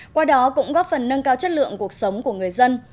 qua đó cũng góp phần nâng cao chất lượng cuộc sống của người dân